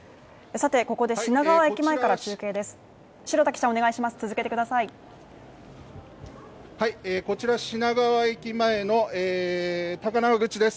さてここで品川駅前から中継です。